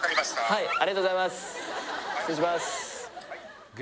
はいありがとうございますおーっ！